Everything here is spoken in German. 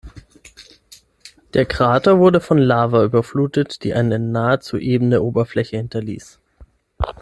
Der Krater wurde von Lava überflutet, die eine nahezu ebene Oberfläche hinterließ.